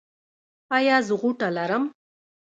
ایا زه غوټه لرم؟